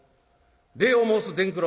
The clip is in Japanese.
礼を申す伝九郎」。